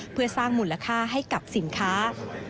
เพื่อสร้างมูลค่าให้กับสินค้า